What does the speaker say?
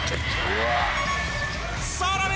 さらに。